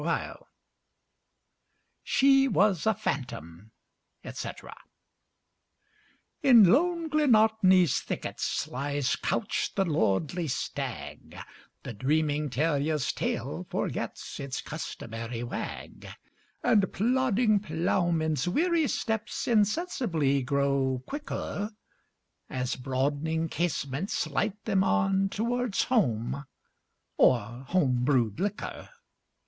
ŌĆ£She was a phantom, ŌĆØ &c. IN lone GlenartneyŌĆÖs thickets lies couched the lordly stag, The dreaming terrierŌĆÖs tail forgets its customary wag; And plodding ploughmenŌĆÖs weary steps insensibly grow quicker, As broadening casements light them on towards home, or home brewed liquor.